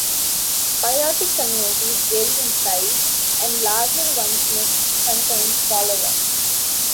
Biotic communities vary in size, and larger ones may contain smaller ones.